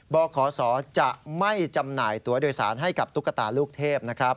บขศจะไม่จำหน่ายตัวโดยสารให้กับตุ๊กตาลูกเทพนะครับ